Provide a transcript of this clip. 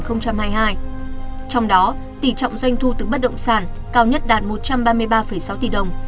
trong đó tỷ trọng doanh thu từ bất động sản cao nhất đạt một trăm ba mươi ba sáu tỷ đồng